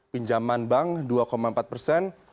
pinjaman bank dua empat persen